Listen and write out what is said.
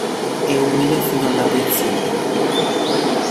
È umile fino all'abiezione.